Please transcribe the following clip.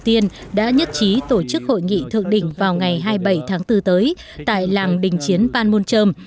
tiên đã nhất trí tổ chức hội nghị thượng đỉnh vào ngày hai mươi bảy tháng bốn tới tại làng đình chiến ban môn trơm